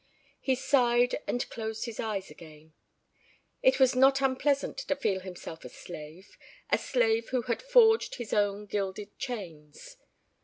He sighed and closed his eyes again. It was not unpleasant to feel himself a slave, a slave who had forged his own gilded chains.